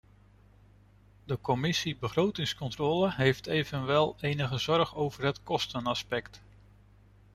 De commissie begrotingscontrole heeft evenwel enige zorg over het kostenaspect.